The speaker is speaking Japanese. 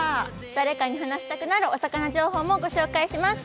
誰かに話したくなるお魚情報もお届けします。